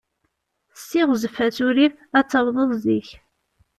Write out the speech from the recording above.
Ssiɣzef asurif, ad tawḍeḍ zik.